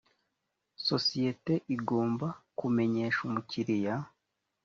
sosiyete igomba kumenyesha umukiriya